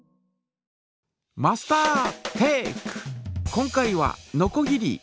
今回はのこぎり。